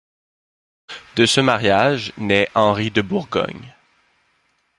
De ce mariage nait Henri de Bourgogne.